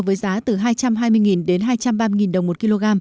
với giá từ hai trăm hai mươi đến hai trăm ba mươi đồng một kg